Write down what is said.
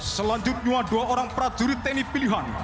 selanjutnya dua orang prajurit tni pilihan